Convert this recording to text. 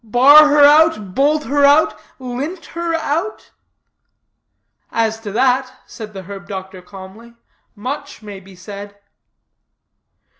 Bar her out? Bolt her out? Lint her out?" "As to that," said the herb doctor calmly, "much may be said."